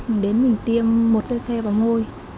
mình đến mình tiêm một xe xe vào môi